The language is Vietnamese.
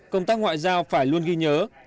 công tác ngoại giao phải luôn ghi nhớ